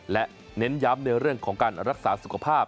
และเน้นย้ำในเรื่องของการรักษาสุขภาพ